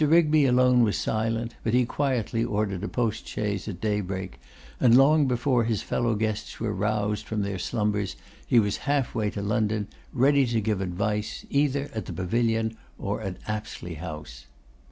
Rigby alone was silent; but he quietly ordered a post chaise at daybreak, and long before his fellow guests were roused from their slumbers, he was halfway to London, ready to give advice, either at the pavilion or at Apsley House.